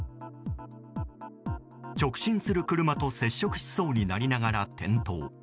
直進する車と接触しそうになりながら転倒。